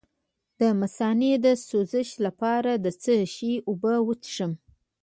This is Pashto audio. د مثانې د سوزش لپاره د څه شي اوبه وڅښم؟